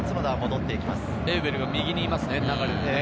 エウベルが右にいますね。